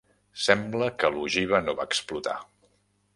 Sembla que l'ogiva no va explotar.